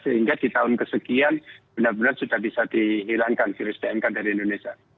sehingga di tahun kesekian benar benar sudah bisa dihilangkan virus tmk dari indonesia